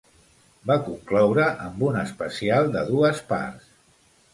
Va concloure amb un especial de dues parts.